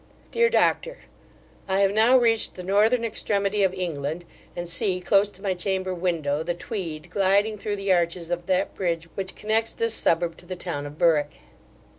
DEAR DOCTOR, I have now reached the northern extremity of England, and see, close to my chamber window, the Tweed gliding through the arches of that bridge which connects this suburb to the town of Berwick.